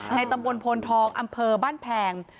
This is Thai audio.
ตำบลโพนทองอำเภอบ้านแพง